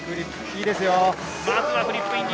まずはフリップインディ。